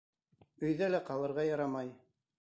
Өйҙә лә ҡалырға ярамай.